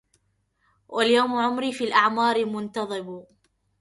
واليوم عمري في الأعمار منقضب